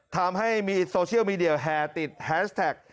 ทำให้มีโซเชียลมีเดียแห่ติดแฮสแท็ก